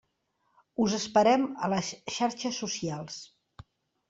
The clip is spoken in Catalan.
Us esperem a les xarxes socials!